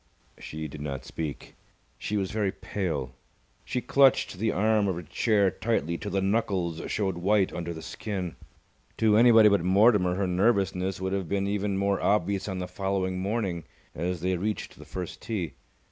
She did not speak. She was very pale. She clutched the arm of her chair tightly till the knuckles showed white under the skin. To anybody but Mortimer her nervousness would have been even more obvious on the following morning, as they reached the first tee.